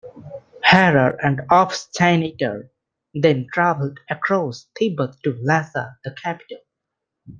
Harrer and Aufschnaiter then traveled across Tibet to Lhasa, the capital.